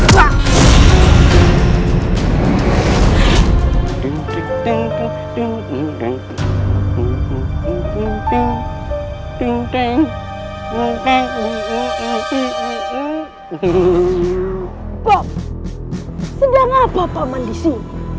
bob sedangkan papa man di sini